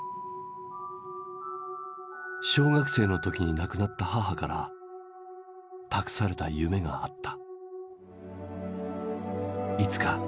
小学生の時に亡くなった母から託された夢があった。